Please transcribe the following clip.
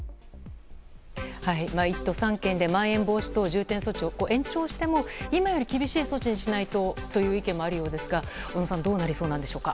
１都３県でまん延防止等重点措置を延長しても今より厳しい措置にしないとという意見もあるようですがどうなりそうでしょうか。